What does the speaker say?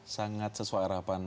sangat sesuai harapan